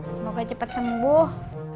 semoga cepat sembuh